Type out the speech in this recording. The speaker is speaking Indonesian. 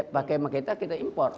pakai makita kita import